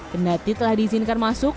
kendati telah diizinkan masuk